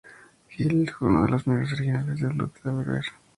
Hill es uno de los miembros originales de Blues Traveler.